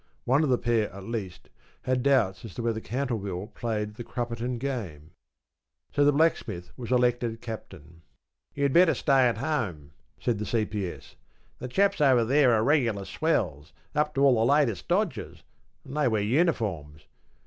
One of the pair, at least, had doubts as to whether Cantleville played the Crupperton game. So the Blacksmith was elected Captain. ‘You'd better stay at home,’ said the C.P.S., ‘the chaps over there are regular swells, up to all the latest dodges, and they wear uniforms.